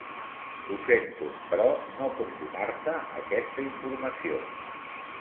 Ho sento, però no puc donar-te aquesta informació.